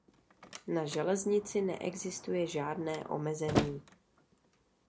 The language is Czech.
Na železnici neexistuje žádné omezení.